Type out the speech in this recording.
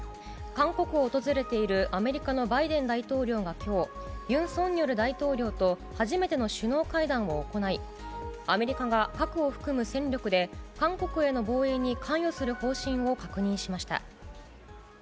韓国を訪れているアメリカのバイデン大統領がきょう、ユン・ソンニョル大統領と初めての首脳会談を行い、アメリカが核を含む戦力で、韓国への防衛に関与する方針を確認しました。